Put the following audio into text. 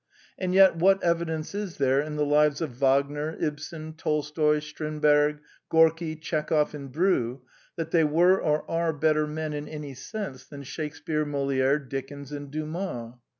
And yet, what evidence is there in the lives of Wagner, Ibsen, Tolstoy, Strindberg, Gorki, Tchekov, and Brieux, that they were or are better men in any sense than Shakespear, Moliere, Dickens, and Dumas?